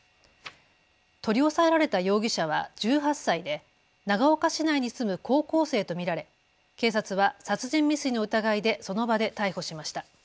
取り押さえられた容疑者は１８歳で長岡市内に住む高校生と見られ、警察は殺人未遂の疑いでその場で逮捕しました。